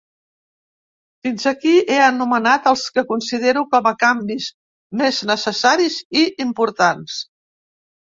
Fins aquí he anomenat els que considero com a canvis més necessaris i importants.